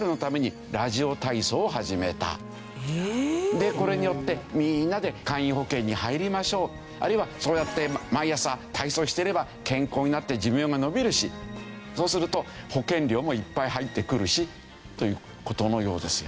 でこれによってみんなで簡易保険に入りましょうあるいはそうやって毎朝体操してれば健康になって寿命が延びるしそうすると保険料もいっぱい入ってくるしという事のようですよ。